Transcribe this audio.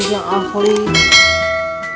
itu sejarahnya kumahan atunya